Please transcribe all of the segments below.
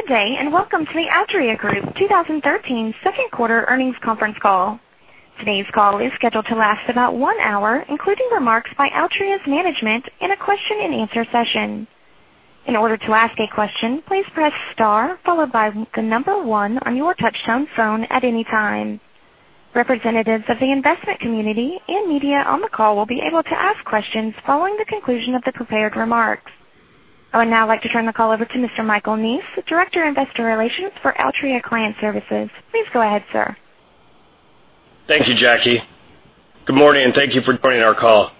Good day, welcome to the Altria Group 2013 second quarter earnings conference call. Today's call is scheduled to last about one hour, including remarks by Altria's management and a question and answer session. In order to ask a question, please press star followed by the number one on your touch-tone phone at any time. Representatives of the investment community and media on the call will be able to ask questions following the conclusion of the prepared remarks. I would now like to turn the call over to Mr. Michael Neese, Director, Investor Relations for Altria Client Services. Please go ahead, sir. Thank you, Jackie. Good morning, thank you for joining our call.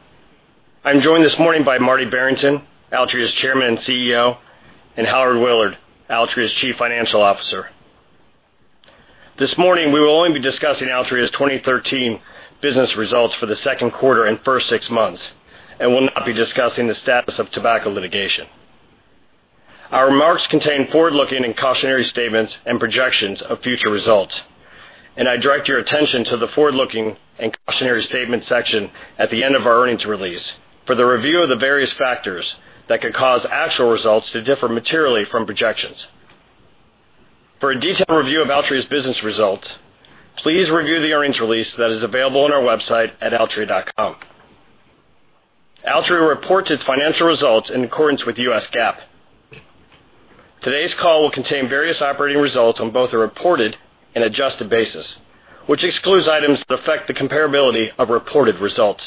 I'm joined this morning by Marty Barrington, Altria's Chairman and CEO, and Howard Willard, Altria's Chief Financial Officer. This morning, we will only be discussing Altria's 2013 business results for the second quarter and first six months and will not be discussing the status of tobacco litigation. Our remarks contain forward-looking and cautionary statements and projections of future results, and I direct your attention to the forward-looking and cautionary statements section at the end of our earnings release for the review of the various factors that could cause actual results to differ materially from projections. For a detailed review of Altria's business results, please review the earnings release that is available on our website at altria.com. Altria reports its financial results in accordance with U.S. GAAP. Today's call will contain various operating results on both a reported and adjusted basis, which excludes items that affect the comparability of reported results.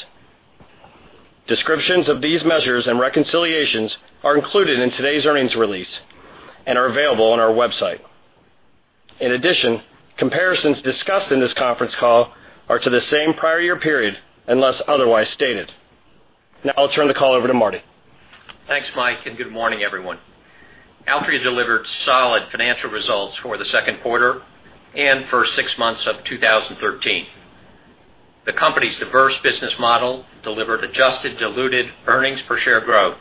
Descriptions of these measures and reconciliations are included in today's earnings release and are available on our website. In addition, comparisons discussed in this conference call are to the same prior year period, unless otherwise stated. Now I'll turn the call over to Marty. Thanks, Mike, and good morning, everyone. Altria delivered solid financial results for the second quarter and first six months of 2013. The company's diverse business model delivered adjusted diluted earnings per share growth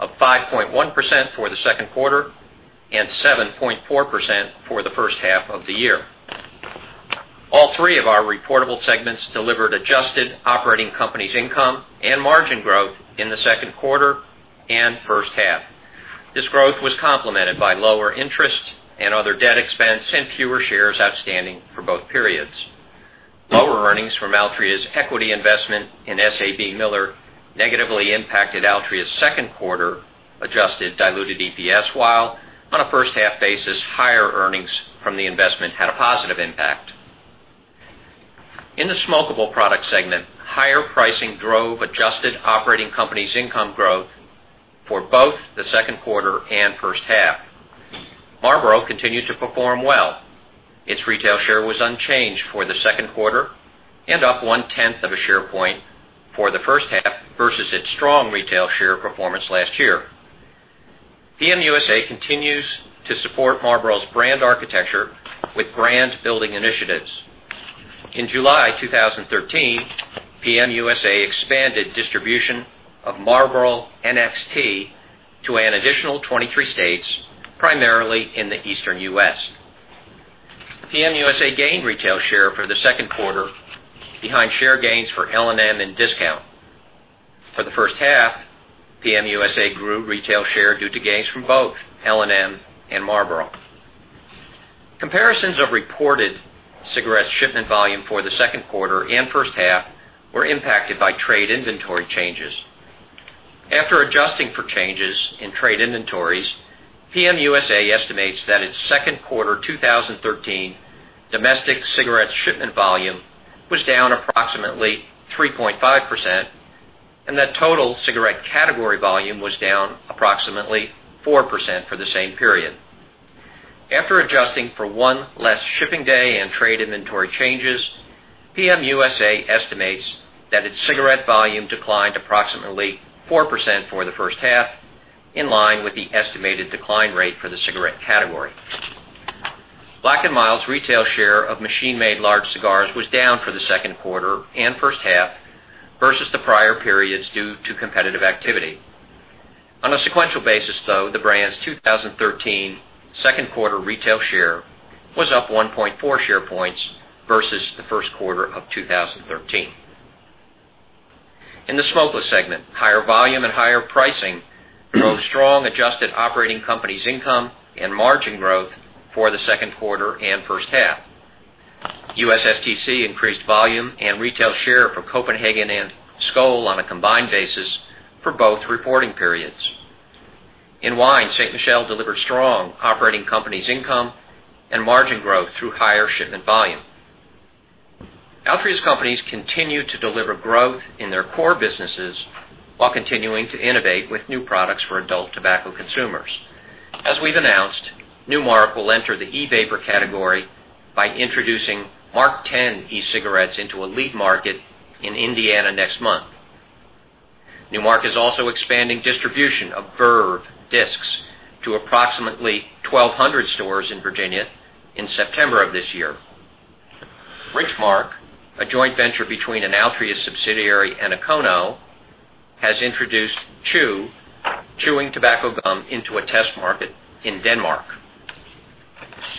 of 5.1% for the second quarter and 7.4% for the first half of the year. All three of our reportable segments delivered adjusted operating companies income and margin growth in the second quarter and first half. This growth was complemented by lower interest and other debt expense and fewer shares outstanding for both periods. Lower earnings from Altria's equity investment in SABMiller negatively impacted Altria's second quarter adjusted diluted EPS while, on a first-half basis, higher earnings from the investment had a positive impact. In the smokable product segment, higher pricing drove adjusted operating companies income growth for both the second quarter and first half. Marlboro continued to perform well. Its retail share was unchanged for the second quarter and up one-tenth of a share point for the first half versus its strong retail share performance last year. PM USA continues to support Marlboro's brand architecture with brand building initiatives. In July 2013, PM USA expanded distribution of Marlboro NXT to an additional 23 states, primarily in the Eastern U.S. PM USA gained retail share for the second quarter behind share gains for L&M and Discount. For the first half, PM USA grew retail share due to gains from both L&M and Marlboro. Comparisons of reported cigarette shipment volume for the second quarter and first half were impacted by trade inventory changes. After adjusting for changes in trade inventories, PM USA estimates that its second quarter 2013 domestic cigarette shipment volume was down approximately 3.5% and that total cigarette category volume was down approximately 4% for the same period. After adjusting for one less shipping day and trade inventory changes, PM USA estimates that its cigarette volume declined approximately 4% for the first half, in line with the estimated decline rate for the cigarette category. Black & Mild's retail share of machine-made large cigars was down for the second quarter and first half versus the prior periods due to competitive activity. On a sequential basis, though, the brand's 2013 second quarter retail share was up 1.4 share points versus the first quarter of 2013. In the smokeless segment, higher volume and higher pricing drove strong adjusted operating companies income and margin growth for the second quarter and first half. USSTC increased volume and retail share for Copenhagen and Skoal on a combined basis for both reporting periods. In wine, Ste. Michelle delivered strong operating companies income and margin growth through higher shipment volume. Altria's companies continue to deliver growth in their core businesses while continuing to innovate with new products for adult tobacco consumers. As we've announced, Nu Mark will enter the e-vapor category by introducing MarkTen e-cigarettes into a lead market in Indiana next month. Nu Mark is also expanding distribution of Verve Discs to approximately 1,200 stores in Virginia in September of this year. Richmark, a joint venture between an Altria subsidiary and Okono, has introduced chew, chewing tobacco gum into a test market in Denmark.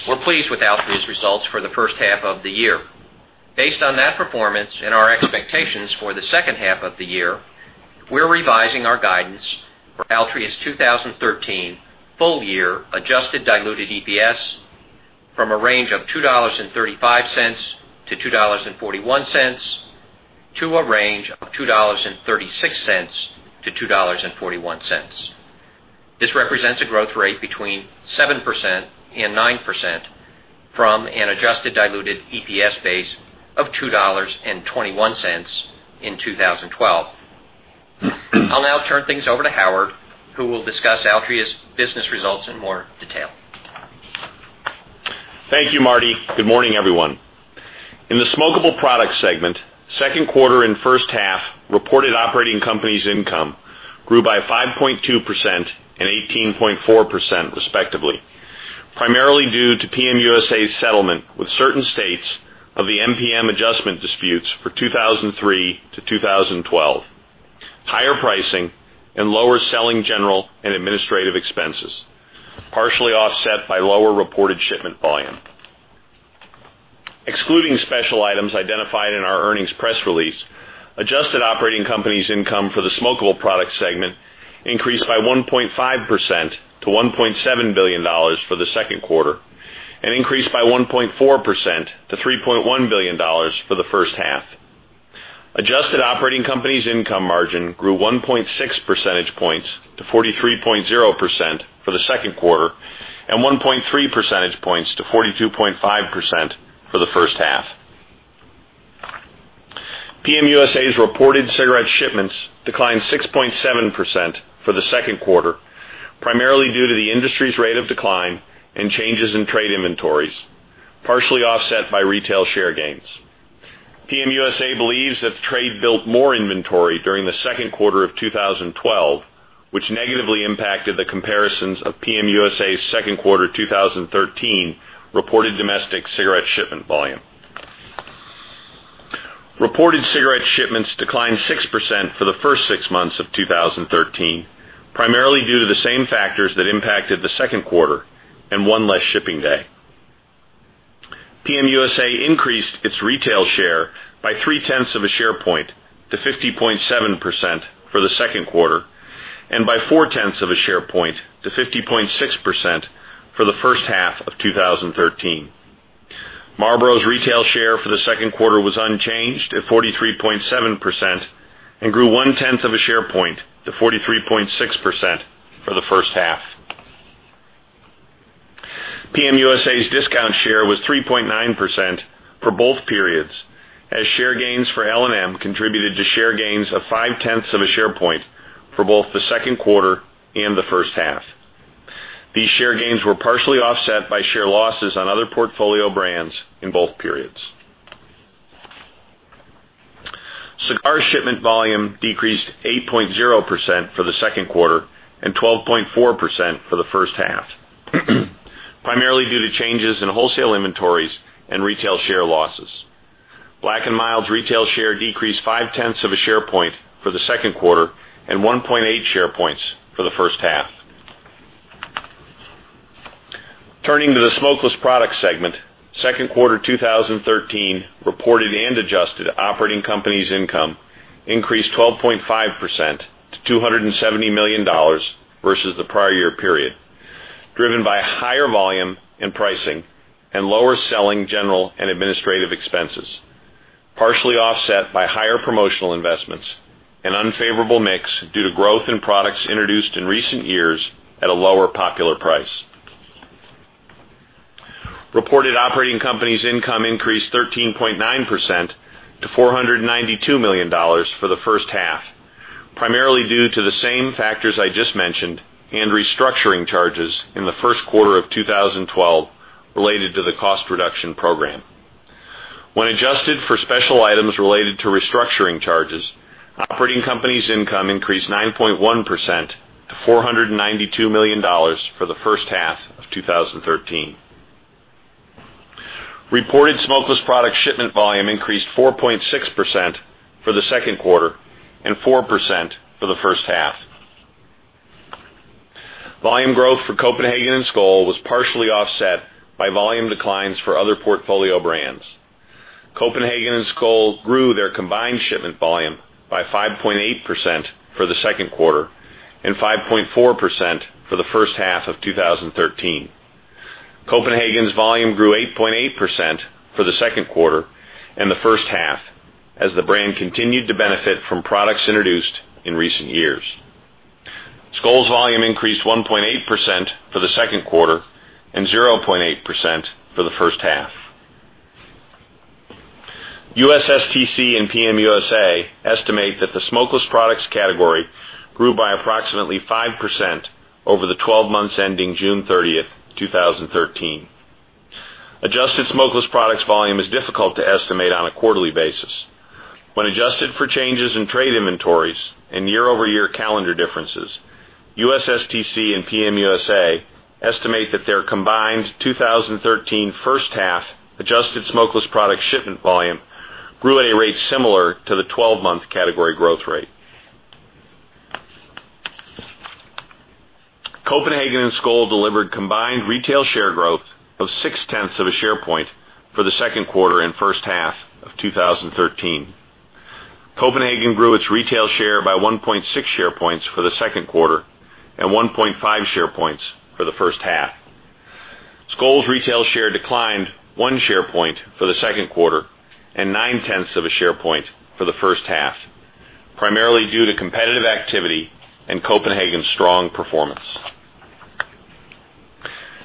We're pleased with Altria's results for the first half of the year. Based on that performance and our expectations for the second half of the year, we're revising our guidance for Altria's 2013 full year adjusted diluted EPS from a range of $2.35-$2.41 to a range of $2.36-$2.41. This represents a growth rate between 7% and 9% from an adjusted diluted EPS base of $2.21 in 2012. I'll now turn things over to Howard, who will discuss Altria's business results in more detail. Thank you, Marty. Good morning, everyone. In the smokeable product segment, second quarter and first half reported operating company's income grew by 5.2% and 18.4% respectively, primarily due to PM USA's settlement with certain states of the NPM adjustment disputes for 2003 to 2012, higher pricing, and lower selling general and administrative expenses, partially offset by lower reported shipment volume. Excluding special items identified in our earnings press release, adjusted operating company's income for the smokeable products segment increased by 1.5% to $1.7 billion for the second quarter and increased by 1.4% to $3.1 billion for the first half. Adjusted operating company's income margin grew 1.6 percentage points to 43.0% for the second quarter and 1.3 percentage points to 42.5% for the first half. PM USA's reported cigarette shipments declined 6.7% for the second quarter, primarily due to the industry's rate of decline and changes in trade inventories, partially offset by retail share gains. PM USA believes that the trade built more inventory during the second quarter of 2012, which negatively impacted the comparisons of PM USA's second quarter 2013 reported domestic cigarette shipment volume. Reported cigarette shipments declined 6% for the first six months of 2013, primarily due to the same factors that impacted the second quarter and one less shipping day. PM USA increased its retail share by three tenths of a share point to 50.7% for the second quarter and by four tenths of a share point to 50.6% for the first half of 2013. Marlboro's retail share for the second quarter was unchanged at 43.7% and grew one tenth of a share point to 43.6% for the first half. PM USA's discount share was 3.9% for both periods, as share gains for L&M contributed to share gains of five tenths of a share point for both the second quarter and the first half. These share gains were partially offset by share losses on other portfolio brands in both periods. Cigar shipment volume decreased 8.0% for the second quarter and 12.4% for the first half, primarily due to changes in wholesale inventories and retail share losses. Black & Mild's retail share decreased five tenths of a share point for the second quarter and 1.8 share points for the first half. Turning to the smokeless product segment, second quarter 2013 reported and adjusted operating company's income increased 12.5% to $270 million versus the prior year period, driven by higher volume and pricing and lower selling general and administrative expenses, partially offset by higher promotional investments and unfavorable mix due to growth in products introduced in recent years at a lower popular price. Reported operating company's income increased 13.9% to $492 million for the first half, primarily due to the same factors I just mentioned and restructuring charges in the first quarter of 2012 related to the cost reduction program. When adjusted for special items related to restructuring charges, operating company's income increased 9.1% to $492 million for the first half of 2013. Reported smokeless product shipment volume increased 4.6% for the second quarter and 4% for the first half. Volume growth for Copenhagen and Skoal was partially offset by volume declines for other portfolio brands. Copenhagen and Skoal grew their combined shipment volume by 5.8% for the second quarter and 5.4% for the first half of 2013. Copenhagen's volume grew 8.8% for the second quarter and the first half as the brand continued to benefit from products introduced in recent years. Skoal's volume increased 1.8% for the second quarter and 0.8% for the first half. USSTC and PM USA estimate that the smokeless products category grew by approximately 5% over the 12 months ending June 30th, 2013. Adjusted smokeless products volume is difficult to estimate on a quarterly basis. When adjusted for changes in trade inventories and year-over-year calendar differences, USSTC and PM USA estimate that their combined 2013 first half adjusted smokeless product shipment volume grew at a rate similar to the 12-month category growth rate. Copenhagen and Skoal delivered combined retail share growth of six tenths of a share point for the second quarter and first half of 2013. Copenhagen grew its retail share by 1.6 share points for the second quarter and 1.5 share points for the first half. Skoal's retail share declined one share point for the second quarter and nine tenths of a share point for the first half, primarily due to competitive activity and Copenhagen's strong performance.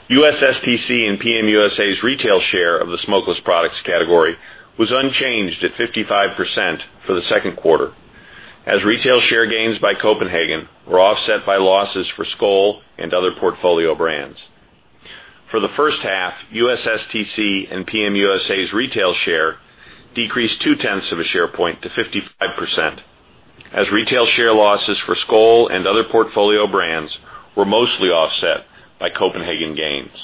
USSTC and PM USA's retail share of the smokeless products category was unchanged at 55% for the second quarter, as retail share gains by Copenhagen were offset by losses for Skoal and other portfolio brands. For the first half, USSTC and PM USA's retail share decreased two tenths of a share point to 55%, as retail share losses for Skoal and other portfolio brands were mostly offset by Copenhagen gains.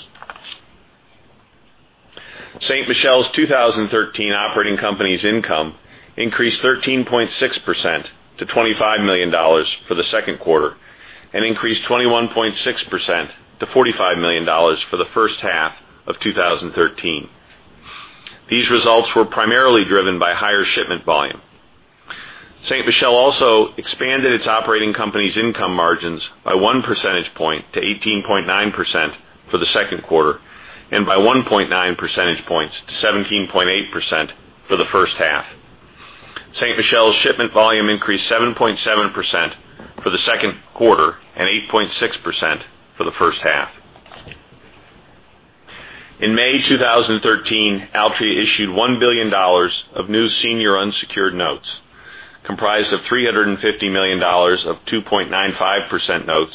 Ste. Michelle's 2013 operating company's income increased 13.6% to $25 million for the second quarter, and increased 21.6% to $45 million for the first half of 2013. These results were primarily driven by higher shipment volume. Ste. Michelle also expanded its operating company's income margins by one percentage point to 18.9% for the second quarter, and by 1.9 percentage points to 17.8% for the first half. Ste. Michelle's shipment volume increased 7.7% for the second quarter and 8.6% for the first half. In May 2013, Altria issued $1 billion of new senior unsecured notes, comprised of $350 million of 2.95% notes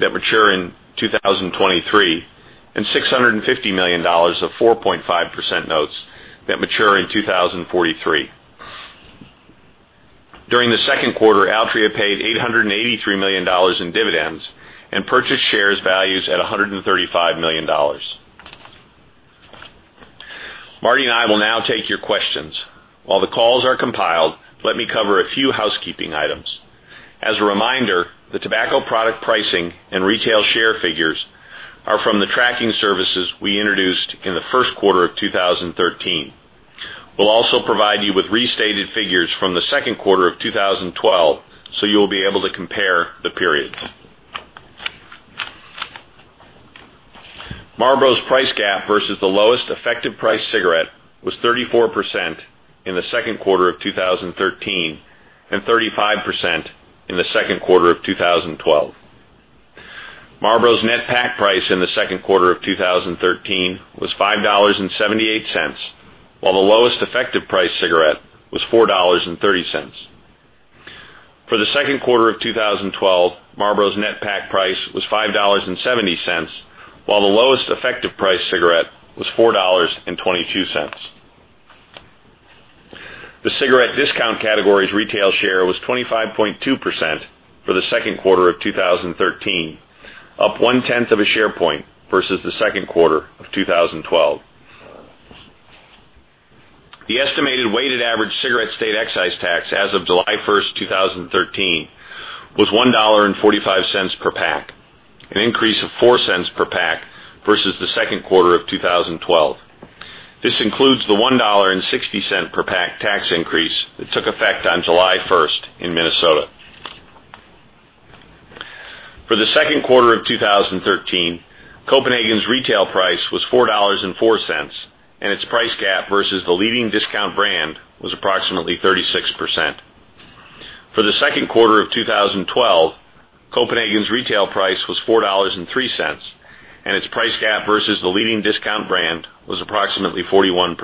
that mature in 2023, and $650 million of 4.5% notes that mature in 2043. During the second quarter, Altria paid $883 million in dividends and purchased shares valued at $135 million. Marty and I will now take your questions. While the calls are compiled, let me cover a few housekeeping items. As a reminder, the tobacco product pricing and retail share figures are from the tracking services we introduced in the first quarter of 2013. We'll also provide you with restated figures from the second quarter of 2012, so you'll be able to compare the periods. Marlboro's price gap versus the lowest effective price cigarette was 34% in the second quarter of 2013 and 35% in the second quarter of 2012. Marlboro's net pack price in the second quarter of 2013 was $5.78, while the lowest effective price cigarette was $4.30. For the second quarter of 2012, Marlboro's net pack price was $5.70, while the lowest effective price cigarette was $4.22. The cigarette discount category's retail share was 25.2% for the second quarter of 2013, up one tenth of a share point versus the second quarter of 2012. The estimated weighted average cigarette state excise tax as of July 1st, 2013, was $1.45 per pack, an increase of $0.04 per pack versus the second quarter of 2012. This includes the $1.60 per pack tax increase that took effect on July 1st in Minnesota. For the second quarter of 2013, Copenhagen's retail price was $4.04, and its price gap versus the leading Discount brand was approximately 36%. For the second quarter of 2012, Copenhagen's retail price was $4.03, and its price gap versus the leading Discount brand was approximately 41%.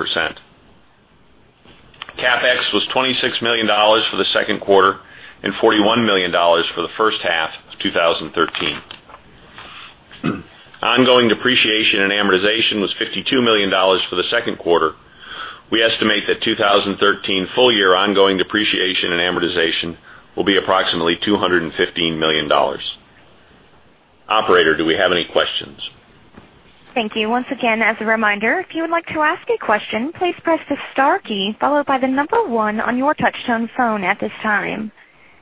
CapEx was $26 million for the second quarter and $41 million for the first half of 2013. Ongoing depreciation and amortization was $52 million for the second quarter. We estimate that 2013 full-year ongoing depreciation and amortization will be approximately $215 million. Operator, do we have any questions? Thank you. Once again, as a reminder, if you would like to ask a question, please press the star key followed by the number 1 on your touch-tone phone at this time.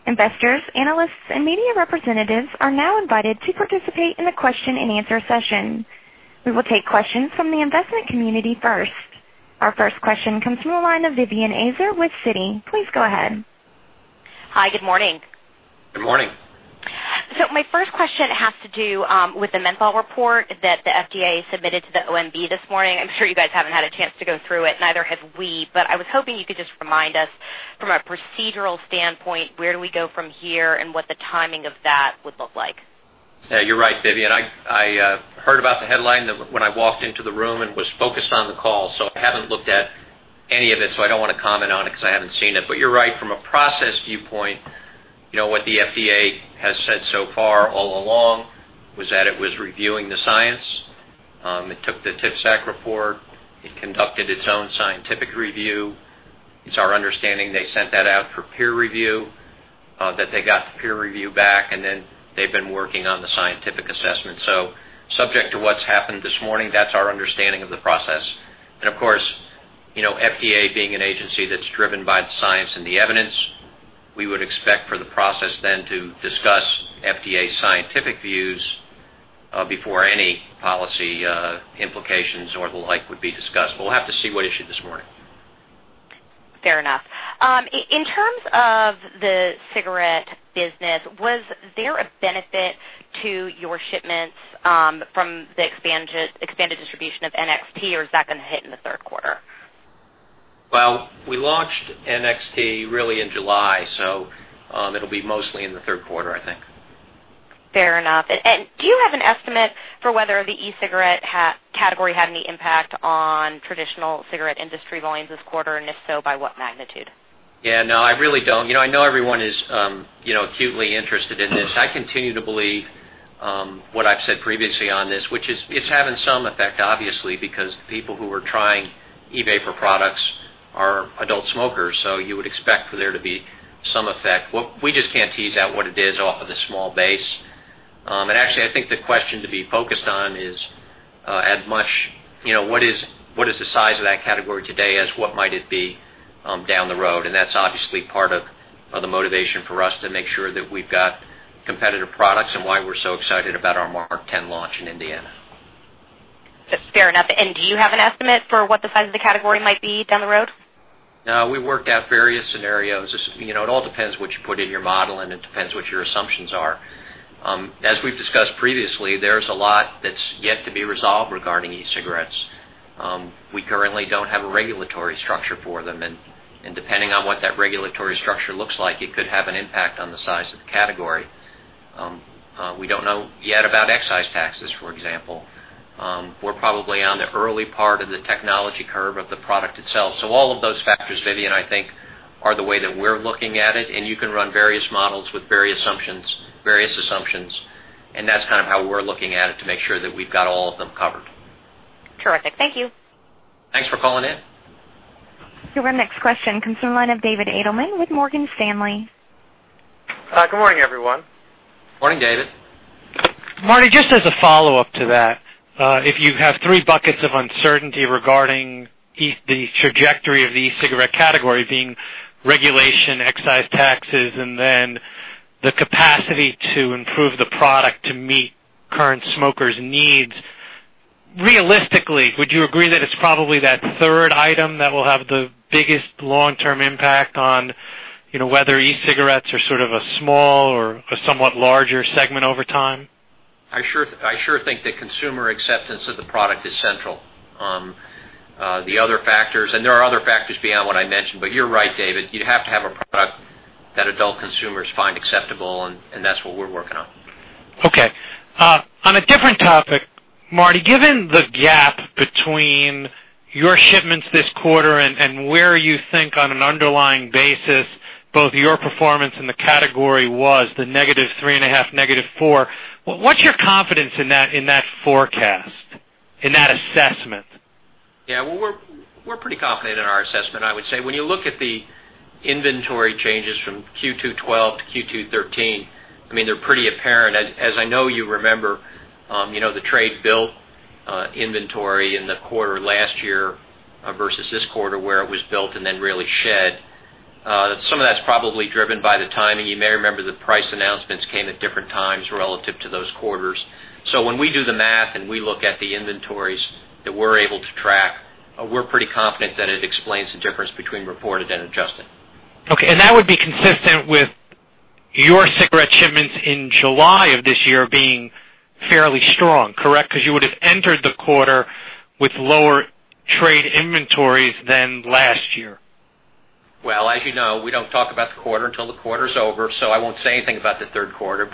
Investors, analysts, and media representatives are now invited to participate in the question and answer session. We will take questions from the investment community first. Our first question comes from the line of Vivien Azer with Citi. Please go ahead. Hi. Good morning. Good morning. My first question has to do with the menthol report that the FDA submitted to the OMB this morning. I'm sure you guys haven't had a chance to go through it, neither have we. I was hoping you could just remind us from a procedural standpoint, where do we go from here and what the timing of that would look like? Yeah, you're right, Vivien. I heard about the headline when I walked into the room and was focused on the call. I haven't looked at any of it, so I don't want to comment on it because I haven't seen it. You're right. From a process viewpoint, what the FDA has said so far all along was that it was reviewing the science. It took the TPSAC report. It conducted its own scientific review. It's our understanding they sent that out for peer review, that they got the peer review back, then they've been working on the scientific assessment. Subject to what's happened this morning, that's our understanding of the process. Of course. FDA being an agency that's driven by the science and the evidence, we would expect for the process then to discuss FDA scientific views, before any policy implications or the like would be discussed. We'll have to see what issued this morning. Fair enough. In terms of the cigarette business, was there a benefit to your shipments from the expanded distribution of NXT, or is that going to hit in the third quarter? Well, we launched NXT really in July, so it'll be mostly in the third quarter, I think. Do you have an estimate for whether the e-cigarette category had any impact on traditional cigarette industry volumes this quarter, and if so, by what magnitude? Yeah, no, I really don't. I know everyone is acutely interested in this. I continue to believe what I've said previously on this, which is it's having some effect, obviously, because the people who are trying e-vapor products are adult smokers, so you would expect for there to be some effect. We just can't tease out what it is off of the small base. Actually, I think the question to be focused on is as much what is the size of that category today as what might it be down the road. That's obviously part of the motivation for us to make sure that we've got competitive products and why we're so excited about our MarkTen launch in Indiana. That's fair enough. Do you have an estimate for what the size of the category might be down the road? No, we worked out various scenarios. It all depends what you put in your model, and it depends what your assumptions are. As we've discussed previously, there's a lot that's yet to be resolved regarding e-cigarettes. We currently don't have a regulatory structure for them, and depending on what that regulatory structure looks like, it could have an impact on the size of the category. We don't know yet about excise taxes, for example. We're probably on the early part of the technology curve of the product itself. All of those factors, Vivien, I think, are the way that we're looking at it, and you can run various models with various assumptions. That's how we're looking at it to make sure that we've got all of them covered. Terrific. Thank you. Thanks for calling in. Your next question comes from the line of David Adelman with Morgan Stanley. Good morning, everyone. Morning, David. Marty, just as a follow-up to that, if you have three buckets of uncertainty regarding the trajectory of the e-cigarette category being regulation, excise taxes, and then the capacity to improve the product to meet current smokers' needs, realistically, would you agree that it's probably that third item that will have the biggest long-term impact on whether e-cigarettes are sort of a small or a somewhat larger segment over time? I sure think that consumer acceptance of the product is central. The other factors, and there are other factors beyond what I mentioned, but you're right, David. You have to have a product that adult consumers find acceptable, and that's what we're working on. Okay. On a different topic, Marty, given the gap between your shipments this quarter and where you think on an underlying basis, both your performance and the category was, the -3.5%, -4%, what's your confidence in that forecast, in that assessment? Yeah. We're pretty confident in our assessment, I would say. When you look at the inventory changes from Q2 2012 to Q2 2013, they're pretty apparent. As I know you remember, the trade built inventory in the quarter last year versus this quarter where it was built and then really shed. Some of that's probably driven by the timing. You may remember the price announcements came at different times relative to those quarters. When we do the math and we look at the inventories that we're able to track, we're pretty confident that it explains the difference between reported and adjusted. Okay, that would be consistent with your cigarette shipments in July of this year being fairly strong, correct? You would have entered the quarter with lower trade inventories than last year. Well, as you know, we don't talk about the quarter until the quarter's over, I won't say anything about the third quarter.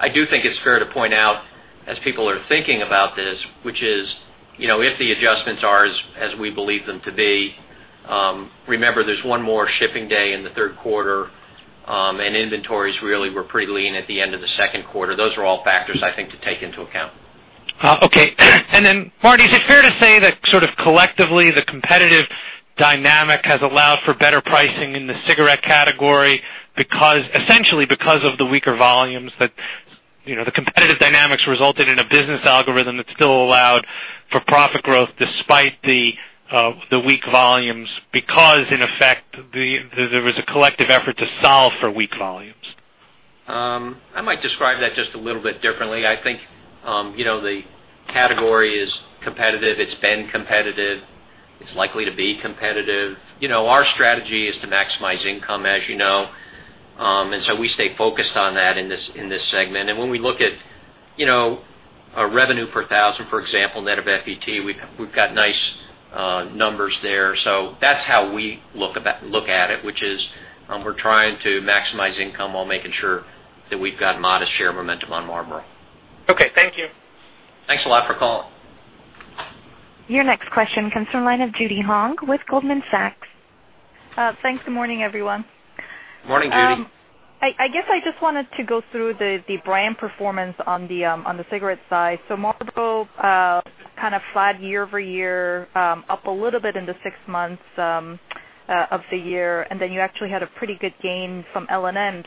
I do think it's fair to point out as people are thinking about this, which is, if the adjustments are as we believe them to be, remember there's one more shipping day in the third quarter, and inventories really were pretty lean at the end of the second quarter. Those are all factors I think to take into account. Okay. Marty, is it fair to say that sort of collectively, the competitive dynamic has allowed for better pricing in the cigarette category essentially because of the weaker volumes that the competitive dynamics resulted in a business algorithm that still allowed for profit growth despite the weak volumes because in effect, there was a collective effort to solve for weak volumes? I might describe that just a little bit differently. I think the category is competitive. It's been competitive. It's likely to be competitive. Our strategy is to maximize income, as you know. We stay focused on that in this segment. When we look at revenue per thousand, for example, net of FET, we've got nice numbers there. That's how we look at it, which is we're trying to maximize income while making sure that we've got modest share momentum on Marlboro. Okay. Thank you. Thanks a lot for calling. Your next question comes from the line of Judy Hong with Goldman Sachs. Thanks. Good morning, everyone. Morning, Judy. Marlboro kind of flat year-over-year, up a little bit in the six months of the year, you actually had a pretty good gain from L&M.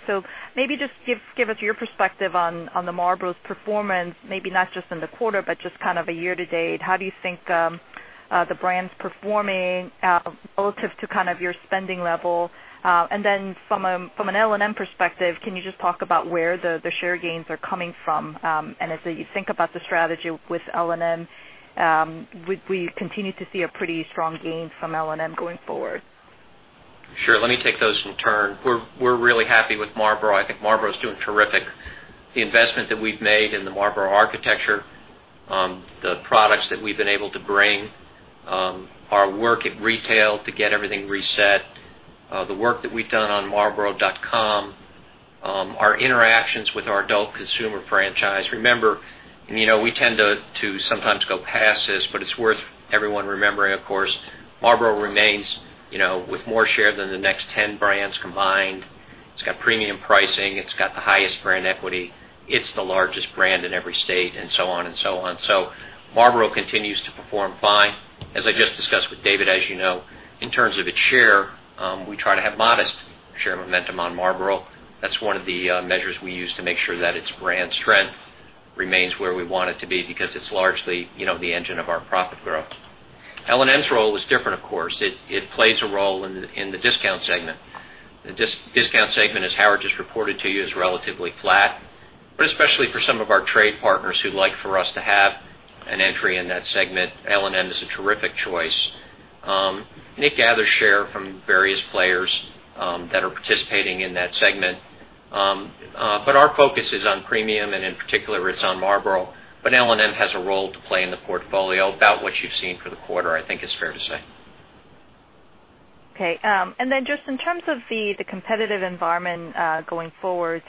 Maybe just give us your perspective on the Marlboro's performance, maybe not just in the quarter, but just kind of a year-to-date. How do you think the brand's performing relative to your spending level? From an L&M perspective, can you just talk about where the share gains are coming from? As you think about the strategy with L&M, would we continue to see a pretty strong gain from L&M going forward? Sure. Let me take those in turn. We're really happy with Marlboro. I think Marlboro's doing terrific. The investment that we've made in the Marlboro architecture, the products that we've been able to bring, our work at retail to get everything reset, the work that we've done on marlboro.com, our interactions with our adult consumer franchise. Remember, we tend to sometimes go past this, but it's worth everyone remembering, of course, Marlboro remains, with more share than the next 10 brands combined. It's got premium pricing. It's got the highest brand equity. It's the largest brand in every state, and so on and so on. Marlboro continues to perform fine. As I just discussed with David, as you know, in terms of its share, we try to have modest share momentum on Marlboro. That's one of the measures we use to make sure that its brand strength remains where we want it to be, because it's largely the engine of our profit growth. L&M's role is different, of course. It plays a role in the discount segment. The discount segment, as Howard just reported to you, is relatively flat. Especially for some of our trade partners who'd like for us to have an entry in that segment, L&M is a terrific choice. It gathers share from various players that are participating in that segment. Our focus is on premium, and in particular, it's on Marlboro. L&M has a role to play in the portfolio about what you've seen for the quarter, I think is fair to say. Okay. Just in terms of the competitive environment going forward,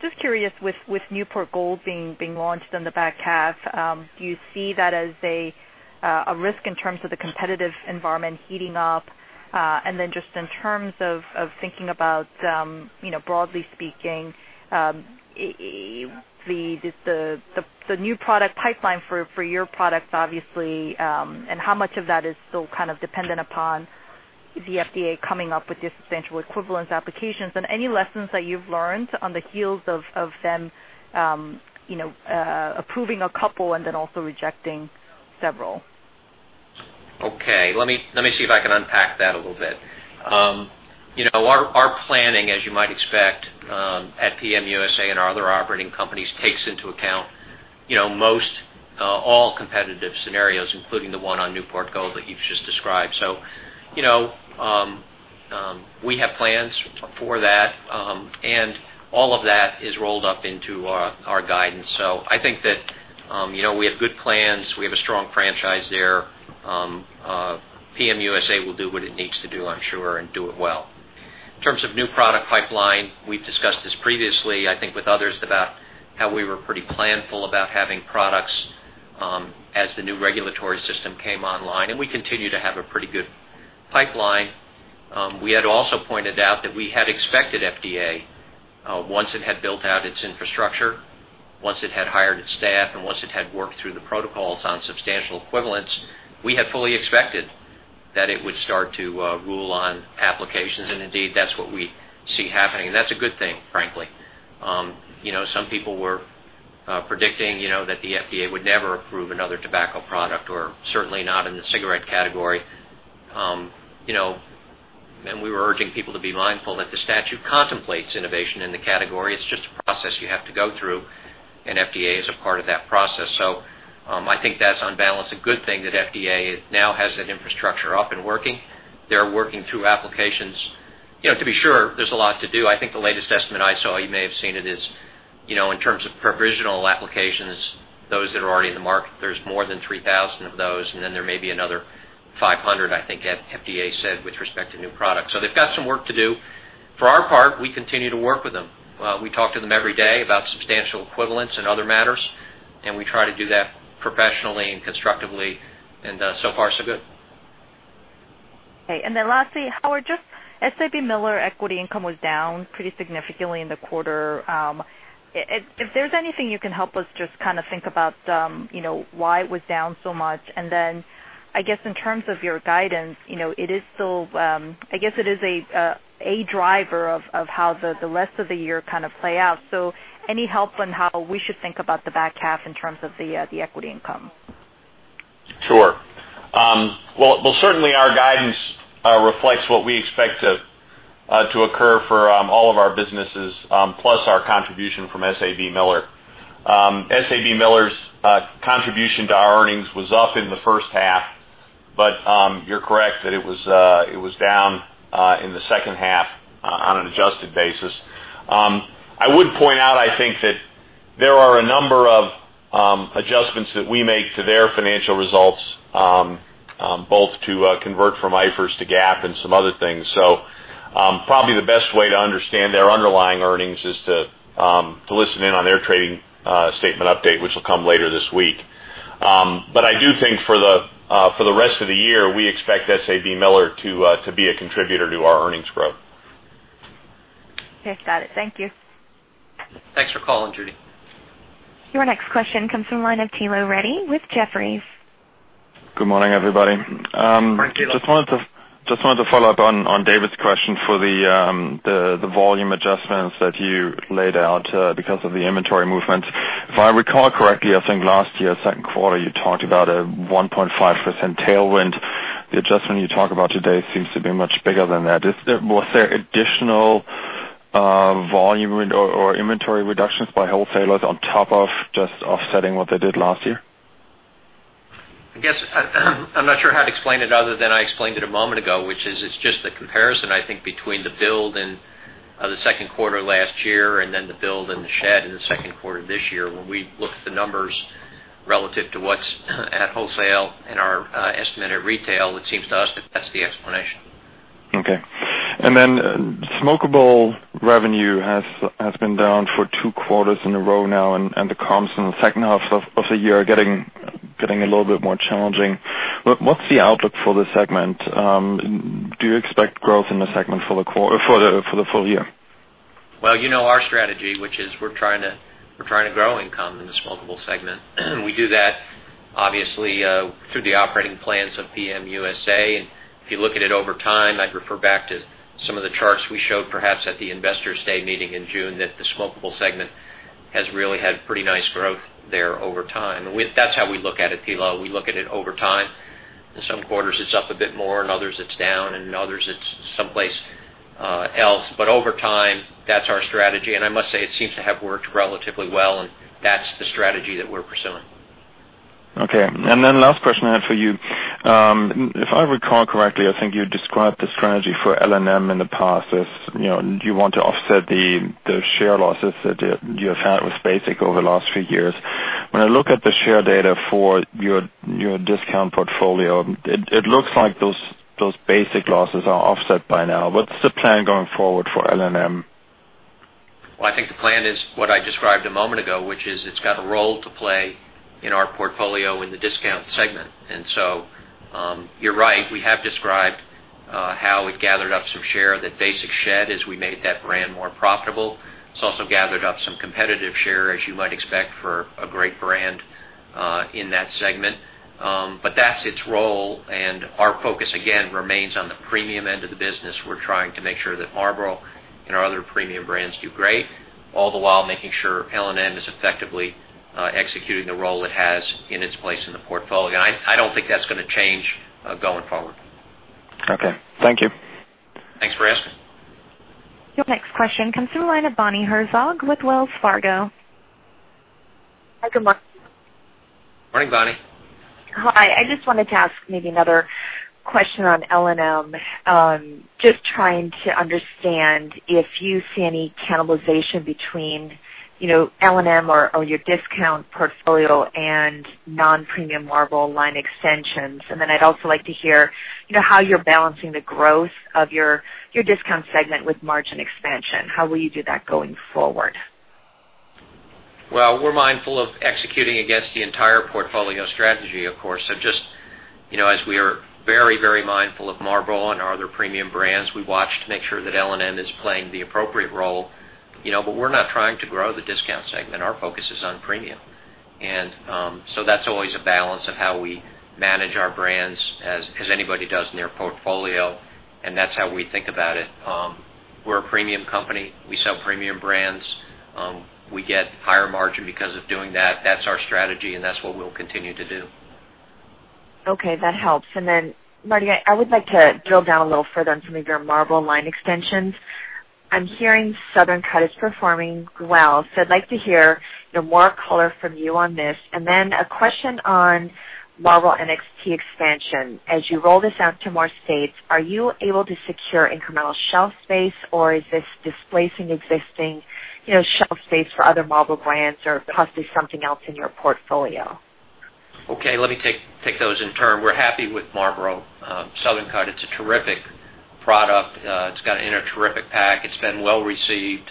just curious with Newport Gold being launched in the back half, do you see that as a risk in terms of the competitive environment heating up? Just in terms of thinking about, broadly speaking, the new product pipeline for your products, obviously, and how much of that is still kind of dependent upon the FDA coming up with substantial equivalence applications? Any lessons that you've learned on the heels of them approving a couple and then also rejecting several. Okay. Let me see if I can unpack that a little bit. Our planning, as you might expect, at PM USA and our other operating companies, takes into account most all competitive scenarios, including the one on Newport Gold that you've just described. We have plans for that, and all of that is rolled up into our guidance. I think that we have good plans. We have a strong franchise there. PM USA will do what it needs to do, I'm sure, and do it well. In terms of new product pipeline, we've discussed this previously, I think with others, about how we were pretty planful about having products as the new regulatory system came online, and we continue to have a pretty good pipeline. We had also pointed out that we had expected FDA, once it had built out its infrastructure, once it had hired its staff, and once it had worked through the protocols on substantial equivalence, we had fully expected that it would start to rule on applications. Indeed, that's what we see happening. That's a good thing, frankly. Some people were predicting that the FDA would never approve another tobacco product, or certainly not in the cigarette category. We were urging people to be mindful that the statute contemplates innovation in the category. It's just a process you have to go through, and FDA is a part of that process. I think that's, on balance, a good thing that FDA now has that infrastructure up and working. They're working through applications. To be sure, there's a lot to do. I think the latest estimate I saw, you may have seen it, is in terms of provisional applications, those that are already in the market, there's more than 3,000 of those, and then there may be another 500, I think FDA said, with respect to new products. They've got some work to do. For our part, we continue to work with them. We talk to them every day about substantial equivalents and other matters, and we try to do that professionally and constructively, and so far, so good. Okay. Lastly, Howard, SABMiller equity income was down pretty significantly in the quarter. If there's anything you can help us just kind of think about why it was down so much. Then, I guess in terms of your guidance, I guess it is a driver of how the rest of the year kind of play out. Any help on how we should think about the back half in terms of the equity income? Sure. Well, certainly our guidance reflects what we expect to occur for all of our businesses, plus our contribution from SABMiller. SABMiller's contribution to our earnings was up in the first half, but you're correct that it was down in the second half on an adjusted basis. I would point out, I think that there are a number of adjustments that we make to their financial results, both to convert from IFRS to GAAP and some other things. Probably the best way to understand their underlying earnings is to listen in on their trading statement update, which will come later this week. I do think for the rest of the year, we expect SABMiller to be a contributor to our earnings growth. Yes, got it. Thank you. Thanks for calling, Judy. Your next question comes from the line of Thilo Wrede with Jefferies. Good morning, everybody. Morning, Thilo. Just wanted to follow up on David's question for the volume adjustments that you laid out because of the inventory movement. If I recall correctly, I think last year, second quarter, you talked about a 1.5% tailwind. The adjustment you talk about today seems to be much bigger than that. Was there additional volume or inventory reductions by wholesalers on top of just offsetting what they did last year? I guess I'm not sure how to explain it other than I explained it a moment ago, which is it's just the comparison, I think, between the build and the second quarter last year, and then the build and the shed in the second quarter this year. When we look at the numbers relative to what's at wholesale and our estimate at retail, it seems to us that that's the explanation. Okay. Smokable revenue has been down for two quarters in a row now, and the comps in the second half of the year are getting a little bit more challenging. What's the outlook for this segment? Do you expect growth in the segment for the full year? Well, you know our strategy, which is we're trying to grow income in the smokable segment. We do that obviously through the operating plans of Philip Morris USA. If you look at it over time, I'd refer back to some of the charts we showed perhaps at the Investors Day meeting in June, that the smokable segment has really had pretty nice growth there over time. That's how we look at it, Thilo. We look at it over time. In some quarters, it's up a bit more, in others it's down, and in others it's someplace else. Over time, that's our strategy. I must say, it seems to have worked relatively well, and that's the strategy that we're pursuing. Okay. Last question I have for you. If I recall correctly, I think you described the strategy for L&M in the past as you want to offset the share losses that you have had with Basic over the last few years. When I look at the share data for your discount portfolio, it looks like those Basic losses are offset by now. What's the plan going forward for L&M? Well, I think the plan is what I described a moment ago, which is it's got a role to play in our portfolio in the discount segment. You're right, we have described how it gathered up some share of that Basic shed as we made that brand more profitable. It's also gathered up some competitive share, as you might expect for a great brand in that segment. That's its role, and our focus, again, remains on the premium end of the business. We're trying to make sure that Marlboro and our other premium brands do great, all the while making sure L&M is effectively executing the role it has in its place in the portfolio. I don't think that's going to change going forward. Okay. Thank you. Thanks for asking. Your next question comes from the line of Bonnie Herzog with Wells Fargo. Hi, good morning. Morning, Bonnie. Hi. I just wanted to ask maybe another question on L&M. Just trying to understand if you see any cannibalization between L&M or your discount portfolio and non-premium Marlboro line extensions. I'd also like to hear how you're balancing the growth of your discount segment with margin expansion. How will you do that going forward? Well, we're mindful of executing against the entire portfolio strategy, of course. Just as we are very mindful of Marlboro and our other premium brands, we watch to make sure that L&M is playing the appropriate role. We're not trying to grow the discount segment. Our focus is on premium. That's always a balance of how we manage our brands, as anybody does in their portfolio, and that's how we think about it. We're a premium company. We sell premium brands. We get higher margin because of doing that. That's our strategy, and that's what we'll continue to do. Okay. That helps. Marty, I would like to drill down a little further on some of your Marlboro line extensions. I'm hearing Southern Cut is performing well, so I'd like to hear more color from you on this. A question on Marlboro NXT expansion. As you roll this out to more states, are you able to secure incremental shelf space, or is this displacing existing shelf space for other Marlboro brands or possibly something else in your portfolio? Okay, let me take those in turn. We're happy with Marlboro Southern Cut. It's a terrific product. It's got in a terrific pack. It's been well received.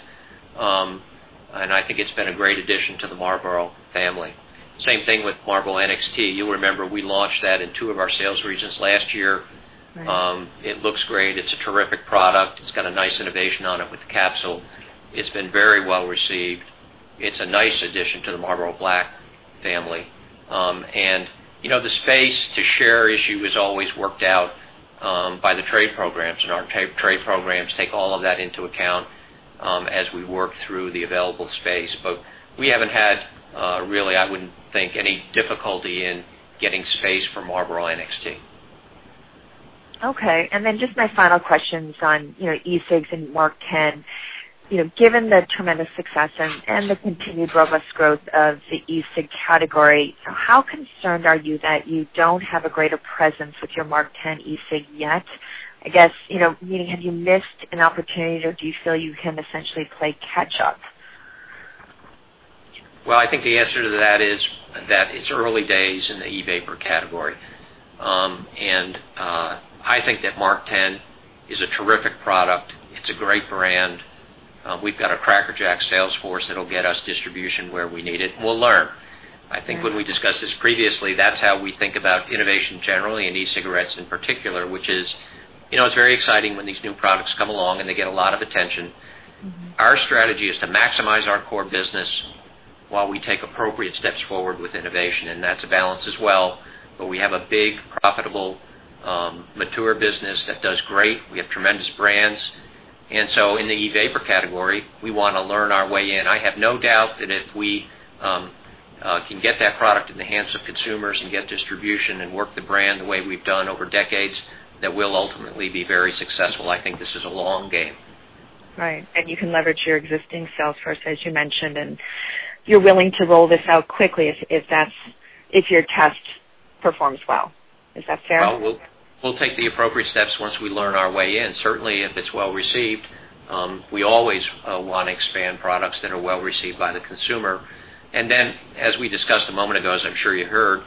I think it's been a great addition to the Marlboro family. Same thing with Marlboro NXT. You'll remember we launched that in two of our sales regions last year. Right. It looks great. It's a terrific product. It's got a nice innovation on it with the capsule. It's been very well received. It's a nice addition to the Marlboro Black family. The space to share issue is always worked out by the trade programs, and our trade programs take all of that into account as we work through the available space. We haven't had, really, I wouldn't think, any difficulty in getting space for Marlboro NXT. Okay. Just my final questions on e-cigs and MarkTen. Given the tremendous success and the continued robust growth of the e-cig category, how concerned are you that you don't have a greater presence with your MarkTen e-cig yet? I guess, meaning have you missed an opportunity, or do you feel you can essentially play catch up? Well, I think the answer to that is that it's early days in the e-vapor category. I think that MarkTen is a terrific product. It's a great brand. We've got a crackerjack sales force that'll get us distribution where we need it, and we'll learn. I think when we discussed this previously, that's how we think about innovation generally and e-cigarettes in particular, which is very exciting when these new products come along, and they get a lot of attention. Our strategy is to maximize our core business while we take appropriate steps forward with innovation, and that's a balance as well, but we have a big, profitable, mature business that does great. We have tremendous brands. In the e-vapor category, we want to learn our way in. I have no doubt that if we can get that product in the hands of consumers and get distribution and work the brand the way we've done over decades, that we'll ultimately be very successful. I think this is a long game. Right. You can leverage your existing sales force, as you mentioned, and you're willing to roll this out quickly if your test performs well. Is that fair? Well, we'll take the appropriate steps once we learn our way in. Certainly, if it's well-received, we always want to expand products that are well-received by the consumer. As we discussed a moment ago, as I'm sure you heard,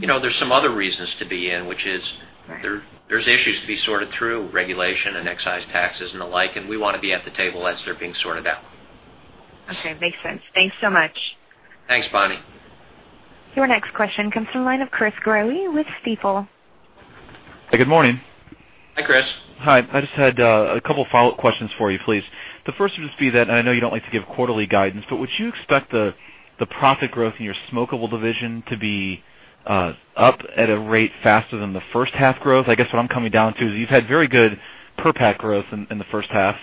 there's some other reasons to be in, which is- Right There's issues to be sorted through, regulation and excise taxes and the like, and we want to be at the table as they're being sorted out. Okay. Makes sense. Thanks so much. Thanks, Bonnie. Your next question comes from the line of Chris Growe with Stifel. Good morning. Hi, Chris. Hi. I just had a couple of follow-up questions for you, please. The first would just be that, I know you don't like to give quarterly guidance, but would you expect the profit growth in your smokable division to be up at a rate faster than the first half growth? I guess what I'm coming down to is you've had very good per pack growth in the first half.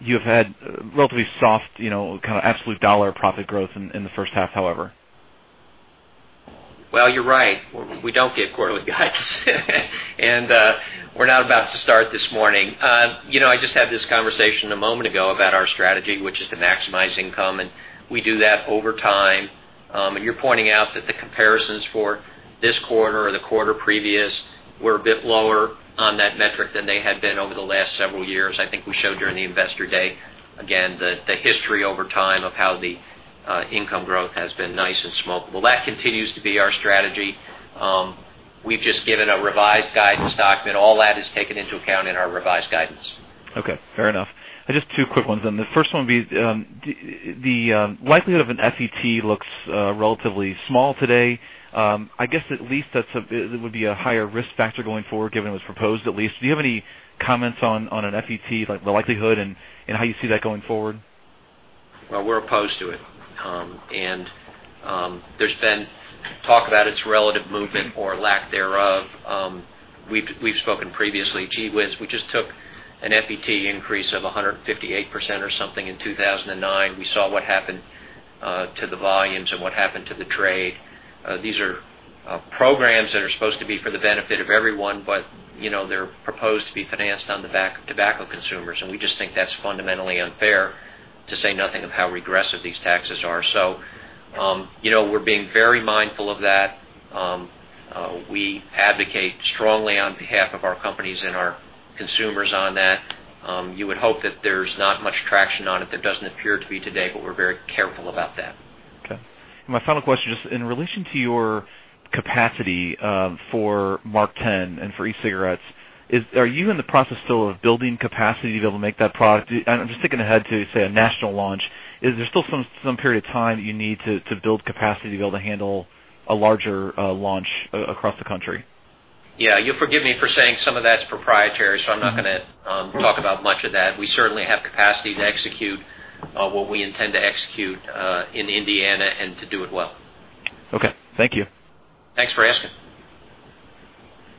You've had relatively soft, kind of absolute dollar profit growth in the first half, however. Well, you're right. We don't give quarterly guidance and we're not about to start this morning. I just had this conversation a moment ago about our strategy, which is to maximize income, and we do that over time. You're pointing out that the comparisons for this quarter or the quarter previous were a bit lower on that metric than they had been over the last several years. I think we showed during the investor day, again, the history over time of how the income growth has been nice in smokable. That continues to be our strategy. We've just given a revised guidance document. All that is taken into account in our revised guidance. Okay. Fair enough. Just two quick ones then. The first one being, the likelihood of an FET looks relatively small today. I guess, at least that would be a higher risk factor going forward, given it was proposed, at least. Do you have any comments on an FET, like the likelihood and how you see that going forward? Well, we're opposed to it. There's been talk about its relative movement or lack thereof. We've spoken previously. Gee whiz, we just took an FET increase of 158% or something in 2009. We saw what happened to the volumes and what happened to the trade. These are programs that are supposed to be for the benefit of everyone, but they're proposed to be financed on the back of tobacco consumers, and we just think that's fundamentally unfair to say nothing of how regressive these taxes are. We're being very mindful of that. We advocate strongly on behalf of our companies and our consumers on that. You would hope that there's not much traction on it. There doesn't appear to be today, but we're very careful about that. Okay. My final question, just in relation to your capacity for MarkTen and for e-cigarettes, are you in the process still of building capacity to be able to make that product? I'm just thinking ahead to, say, a national launch. Is there still some period of time that you need to build capacity to be able to handle a larger launch across the country? Yeah. You'll forgive me for saying some of that's proprietary, I'm not going to talk about much of that. We certainly have capacity to execute what we intend to execute in Indiana and to do it well. Okay. Thank you. Thanks for asking.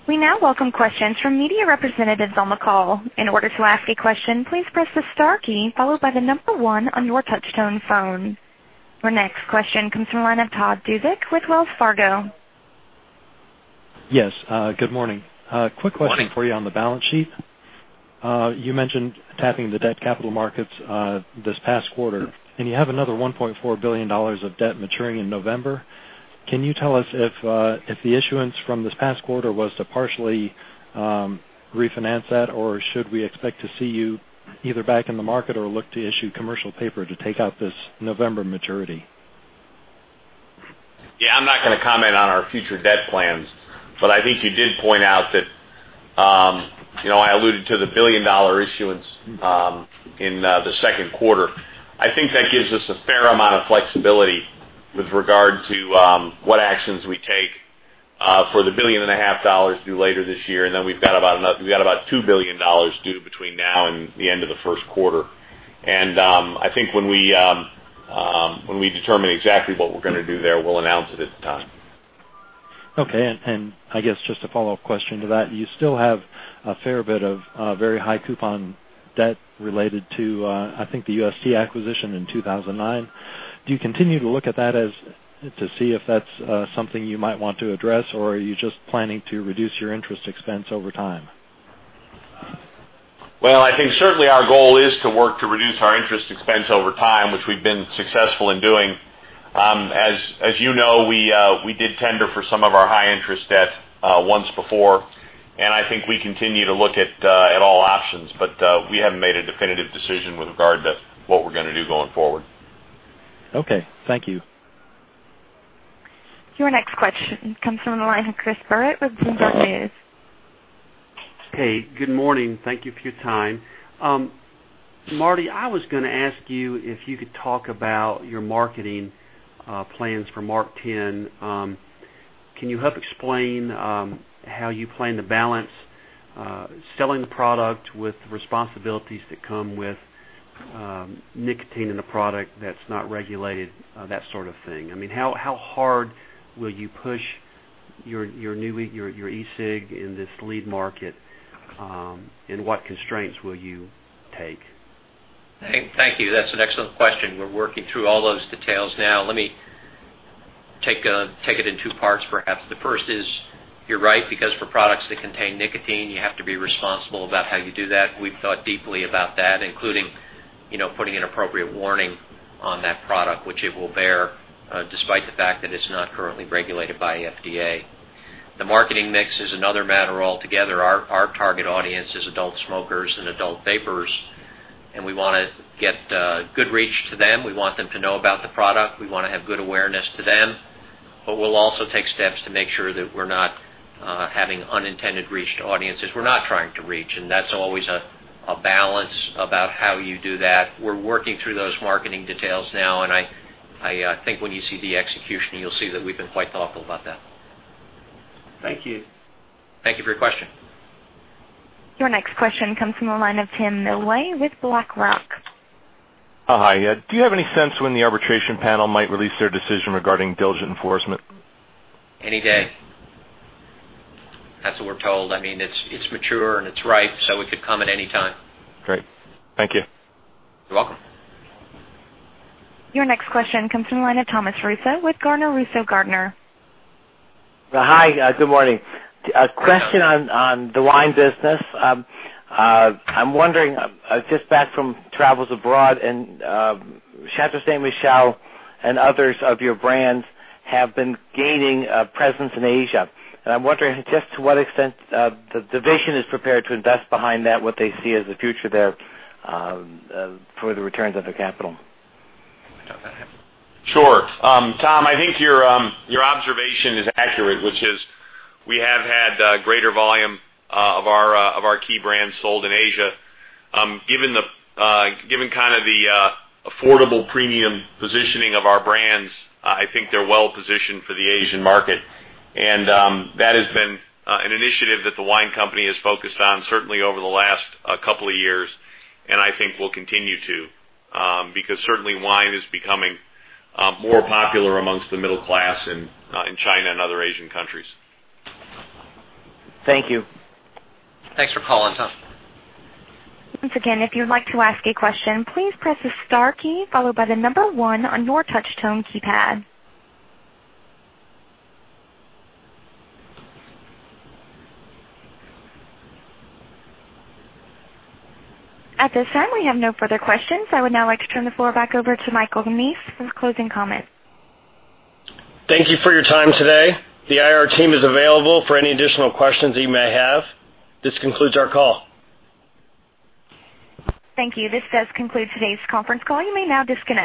We now welcome questions from media representatives on the call. In order to ask a question, please press the star key followed by the number 1 on your touchtone phone. Your next question comes from the line of Todd Duvick with Wells Fargo. Yes. Good morning. Morning. Quick question for you on the balance sheet. You mentioned tapping the debt capital markets this past quarter. Yeah. You have another $1.4 billion of debt maturing in November. Can you tell us if the issuance from this past quarter was to partially refinance that, or should we expect to see you either back in the market or look to issue commercial paper to take out this November maturity? I'm not going to comment on our future debt plans, but I think you did point out that I alluded to the billion-dollar issuance in the second quarter. I think that gives us a fair amount of flexibility with regard to what actions we take for the billion and a half dollars due later this year, then we've got about $2 billion due between now and the end of the first quarter. I think when we determine exactly what we're going to do there, we'll announce it at the time. Okay. I guess just a follow-up question to that, you still have a fair bit of very high coupon debt related to, I think, the UST acquisition in 2009. Do you continue to look at that to see if that's something you might want to address, or are you just planning to reduce your interest expense over time? Well, I think certainly our goal is to work to reduce our interest expense over time, which we've been successful in doing. As you know, we did tender for some of our high-interest debt once before, and I think we continue to look at all options, but we haven't made a definitive decision with regard to what we're going to do going forward. Okay. Thank you. Your next question comes from the line of Chris Barrett with Bloomberg News. Hey, good morning. Thank you for your time. Marty, I was going to ask you if you could talk about your marketing plans for MarkTen. Can you help explain how you plan to balance selling the product with responsibilities that come with nicotine in a product that's not regulated, that sort of thing? How hard will you push your e-cig in this lead market, and what constraints will you take? Thank you. That's an excellent question. We're working through all those details now. Let me take it in two parts, perhaps. The first is, you're right, because for products that contain nicotine, you have to be responsible about how you do that. We've thought deeply about that, including putting an appropriate warning on that product, which it will bear, despite the fact that it's not currently regulated by FDA. The marketing mix is another matter altogether. Our target audience is adult smokers and adult vapers, and we want to get good reach to them. We want them to know about the product. We want to have good awareness to them, but we'll also take steps to make sure that we're not having unintended reach to audiences we're not trying to reach, and that's always a balance about how you do that. We're working through those marketing details now, and I think when you see the execution, you'll see that we've been quite thoughtful about that. Thank you. Thank you for your question. Your next question comes from the line of Tim Miller with BlackRock. Hi. Do you have any sense when the arbitration panel might release their decision regarding diligent enforcement? Any day. That's what we're told. It's mature and it's ripe, so it could come at any time. Great. Thank you. You're welcome. Your next question comes from the line of Thomas Russo with Gardner Russo & Gardner. Hi, good morning. A question on the wine business. I'm wondering, just back from travels abroad, Chateau Ste. Michelle and others of your brands have been gaining a presence in Asia. I'm wondering just to what extent the division is prepared to invest behind that, what they see as the future there for the returns on their capital. Sure. Tom, I think your observation is accurate, which is we have had greater volume of our key brands sold in Asia. Given the affordable premium positioning of our brands, I think they're well-positioned for the Asian market. That has been an initiative that the wine company has focused on, certainly over the last couple of years, and I think will continue to. Because certainly wine is becoming more popular amongst the middle class in China and other Asian countries. Thank you. Thanks for calling, Tom. Once again, if you'd like to ask a question, please press the star key followed by the number one on your touch tone keypad. At this time, we have no further questions. I would now like to turn the floor back over to Michael Neese for his closing comments. Thank you for your time today. The IR team is available for any additional questions that you may have. This concludes our call. Thank you. This does conclude today's conference call. You may now disconnect.